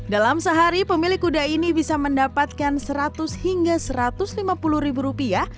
dalam sehari pemilik kuda ini bisa mendapatkan seratus hingga satu ratus lima puluh ribu rupiah